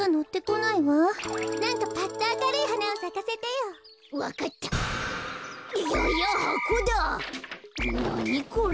なにこれ。